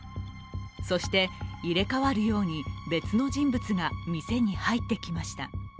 そして入れ代わるように別の人物が店に入ってきました。